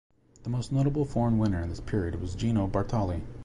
The most notable foreign winner in this period was Gino Bartali.